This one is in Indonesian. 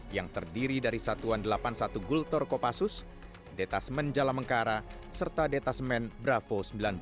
yang terdiri dari satuan delapan puluh satu gultor kopassus detasemen jalamengkara serta detasemen bravo sembilan puluh